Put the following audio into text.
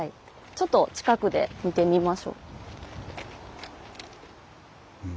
ちょっと近くで見てみましょう。